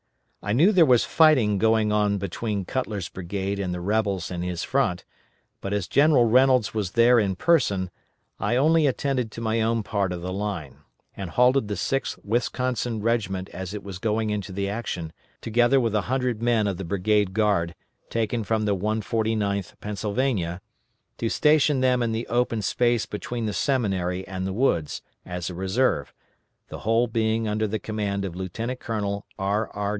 I knew there was fighting going on between Cutler's brigade and the rebels in his front, but as General Reynolds was there in person, I only attended to my own part of the line; and halted the 6th Wisconsin regiment as it was going into the action, together with a hundred men of the Brigade Guard, taken from the 149th Pennsylvania, to station them in the open space between the Seminary and the woods, as a reserve, the whole being under the command of Lieut. Colonel R. R.